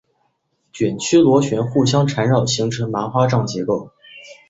卷曲螺旋互相缠绕形成麻花状结构。